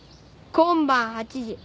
今晩８時。